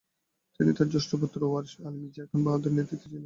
তিনি তার জ্যেষ্ঠ পুত্র ওয়ারিস আলী মির্জা খান বাহাদুরের নেতৃত্বে ছিলেন।